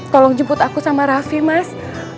tolong jemput aku sama raffi mas